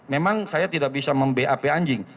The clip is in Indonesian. memang saya tidak bisa membe ap anjing